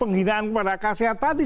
penghinaan kepada kasihan tadi